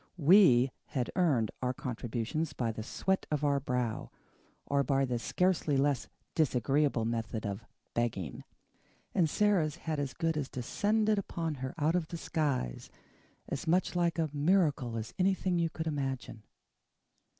WE had earned our contributions by the sweat of our brow, or by the scarcely less disagreeable method of "begging." And Sara's had as good as descended upon her out of the skies, as much like a miracle as anything you could imagine.